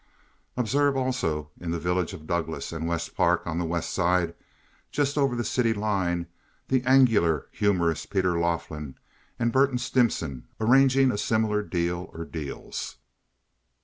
Observe also in the village of Douglas and West Park on the West Side, just over the city line, the angular, humorous Peter Laughlin and Burton Stimson arranging a similar deal or deals.